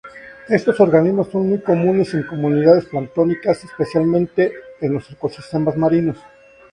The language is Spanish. Estos organismos son muy comunes en comunidades planctónicas, especialmente en los ecosistemas marinos.